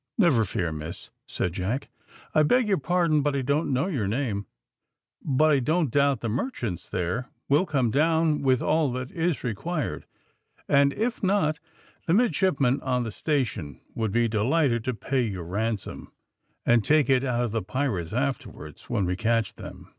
"Never fear, miss," said Jack. "I beg your pardon, but I don't know your name; but I don't doubt the merchants there will come down with all that is required; and if not, the midshipmen on the station would be delighted to pay your ransom, and take it out of the pirates afterwards, when we catch them."